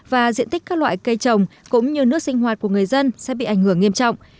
và diện tích các loại cây trồng cũng như nước sinh hoạt của người dân sẽ bị ảnh hưởng nghiêm trọng